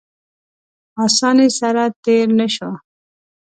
اسانۍ سره تېر نه شو.